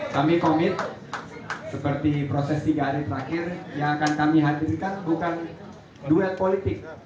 kami komit seperti proses tiga hari terakhir yang akan kami hadirkan bukan duet politik